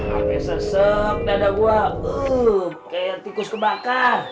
ampe sesep dada gua kayak tikus kebakar